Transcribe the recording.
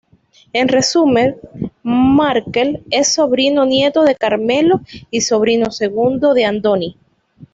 En resumen, Markel es sobrino-nieto de Carmelo y sobrino segundo de Andoni.